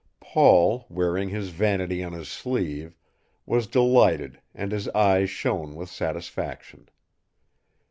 Paul, wearing his vanity on his sleeve, was delighted and his eyes shone with satisfaction.